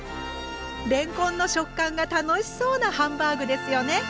れんこんの食感が楽しそうなハンバーグですよね！